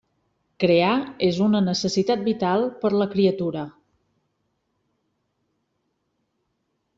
Crear és una necessitat vital per la criatura.